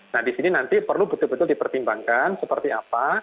nah di sini nanti perlu betul betul dipertimbangkan seperti apa